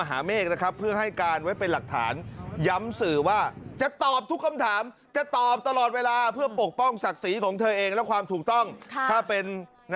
อ่าทางหญามสื่อว่าจะตอบทุกคำถามจะตอบตลอดเวลาเพื่อปกป้องศักดิ์ศรีของเธอเองแล้วความถูกต้องค่ะถ้าเป็น